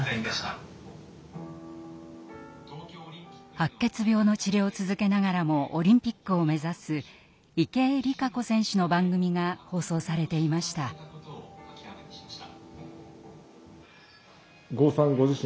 白血病の治療を続けながらもオリンピックを目指す池江璃花子選手の番組が放送されていました。